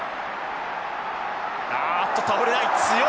あっと倒れない。